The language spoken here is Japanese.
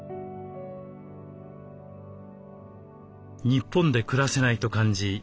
日本で暮らせないと感じ